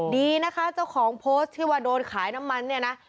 ดีนะคะเจ้าของโพสต์ที่ว่าโดนขายน้ำมันเนี่ยนะ